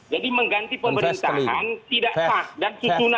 jadi mengganti pemerintahan tidak sah dan susunannya